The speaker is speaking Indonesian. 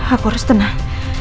aku harus tenang